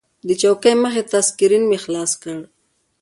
د چوکۍ مخې ته سکرین مې خلاص کړ.